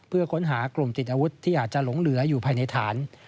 เพื่อค้นหากลุ่มติดอาวุธที่อาจจะหลงเหลืออยู่ภายในฐาน